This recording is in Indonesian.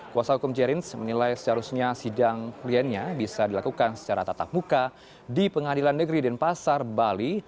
kuasa hukum jerins menilai seharusnya sidang kliennya bisa dilakukan secara tetap muka di pengadilan negeri dan pasar bali